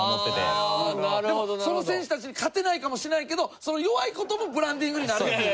でもその選手たちに勝てないかもしれないけど弱い事もブランディングになるという。